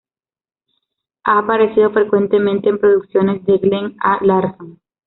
Ha aparecido frecuentemente en producciones de Glen A. Larson.